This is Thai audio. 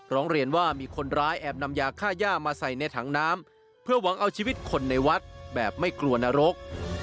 ร้องเรียนว่ามีคนร้ายแอบนำยาค่าย่ามาใส่ในถังน้ำเพื่อหวังเอาชีวิตคนในวัดแบบไม่กลัวนรก